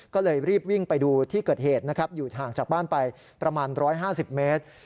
ก็เลยรีบวิ่งไปดูที่เกิดเหตุนะครับอยู่ห่างจากบ้านไปประมาณ๑๕๐เมตร